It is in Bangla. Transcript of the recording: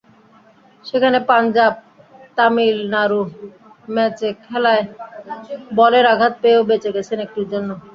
সেখানে পাঞ্জাব-তামিলনাড়ু ম্যাচে মাথায় বলের আঘাত পেয়েও বেঁচে গেছেন একটুর জন্য।